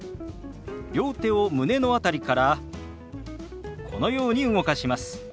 両手を胸の辺りからこのように動かします。